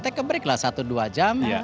take break lah satu dua jam